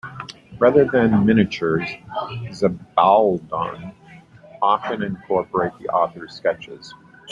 Rather than miniatures, zibaldone often incorporate the author's sketches.